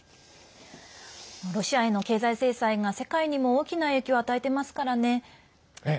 ロシアへの経済制裁が世界にも大きな影響を与えてますからね。